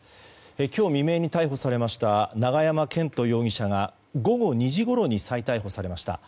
今日未明に逮捕されました永山絢斗容疑者が午後２時ごろに再逮捕されました。